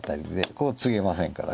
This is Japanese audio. ここツゲませんから。